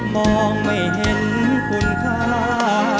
มองไม่เห็นคุณค่า